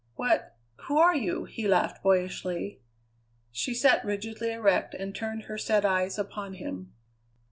What who are you?" he laughed boyishly. She sat rigidly erect and turned her sad eyes upon him.